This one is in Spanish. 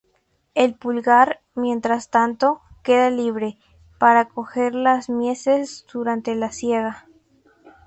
El pulgar, mientras tanto, queda libre, para coger las mieses durante la siega.